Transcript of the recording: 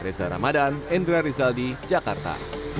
reza ramadan endra rizaldi jakarta